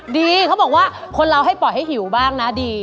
เขาบอกว่าคนเราให้ปล่อยให้หิวบ้างนะดี